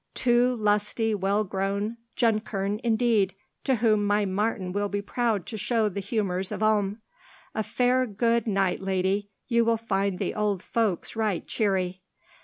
"Two lusty, well grown Junkern indeed, to whom my Martin will be proud to show the humours of Ulm. A fair good night, lady! You will find the old folks right cheery."